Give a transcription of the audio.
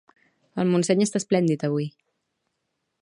El Montseny està esplèndid avui